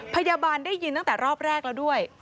พยาบาลได้ยินตั้งแต่รอบแรกแล้วด้วย